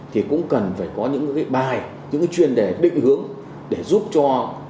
thì cũng cần phải có những cái bài những chuyên đề định hướng để giúp cho